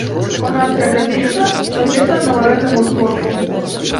Паганскае капішча размешчана на марэнным узгорку.